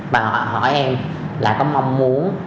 và họ hỏi em là có mong muốn